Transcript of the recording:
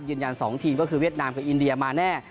ยืนยัน๒ทีมก็คือเวียดนามกับอินเดียมาแน่